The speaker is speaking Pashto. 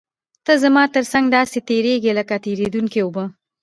ته زما تر څنګ داسې تېرېږې لکه تېرېدونکې اوبه.